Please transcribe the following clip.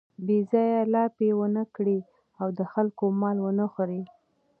بې ځایه لاپې و نه کړي او د خلکو مال و نه خوري.